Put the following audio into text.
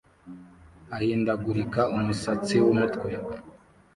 ahindagurika umusatsi wumukwe